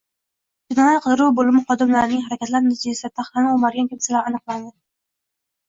Jinoyat-qidiruv boʻlimi xodimlarining harakatlari natijasida taxtani oʻmargan kimsalar aniqlandi.